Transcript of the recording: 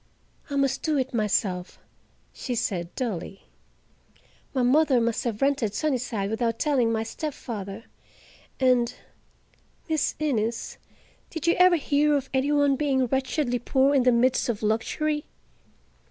"I must do it myself," she said dully. "My mother must have rented Sunnyside without telling my stepfather, and—Miss Innes, did you ever hear of any one being wretchedly poor in the midst of luxury?